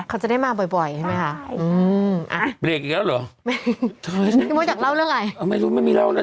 เขาจะได้มาบ่อยใช่ไหมคะ